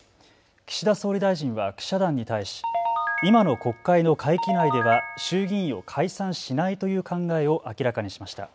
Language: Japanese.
岸田総理大臣は記者団に対し今の国会の会期内では衆議院を解散しないという考えを明らかにしました。